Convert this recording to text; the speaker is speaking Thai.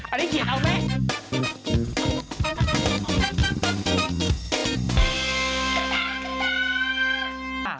อันนี้เขียนเอาไว้